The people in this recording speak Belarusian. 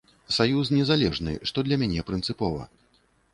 Саюз незалежны, што для мяне прынцыпова.